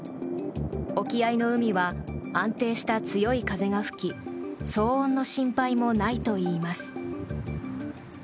沖合の海は安定した強い風が吹き騒音の心配もないといいます。